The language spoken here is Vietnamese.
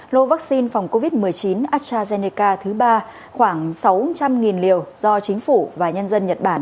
lô vaccine phòng covid một mươi chín astrazeneca thứ ba khoảng sáu trăm linh liều do chính phủ và nhân dân nhật bản